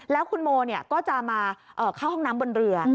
แล้วคุณโมก็จะมาเข้าห้องน้ำบนเรือ